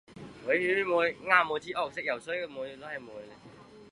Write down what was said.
三十一年诏天下学官改授旁郡州县。